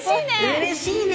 うれしいね。